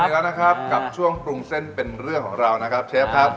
อีกแล้วนะครับกับช่วงปรุงเส้นเป็นเรื่องของเรานะครับเชฟครับ